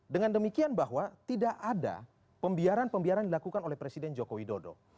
dengan demikian bahwa tidak ada pembiaran pembiaran dilakukan oleh presiden joko widodo